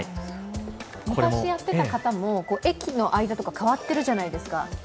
昔、やっていた方も駅の間とか変わっているじゃないですか。